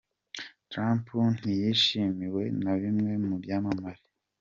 Trump ntiyishimiwe na bimwe mu byamamare.